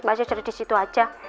mbak cez ada disitu aja